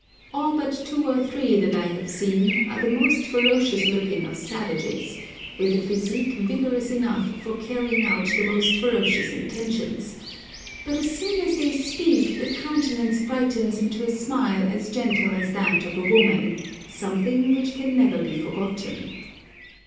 All but two or three that I have seen are the most ferocious looking of savages, with a physique vigorous enough for carrying out the most ferocious intentions, but as soon as they speak the countenance brightens into a smile as gentle as that of a woman, something which can never be forgotten.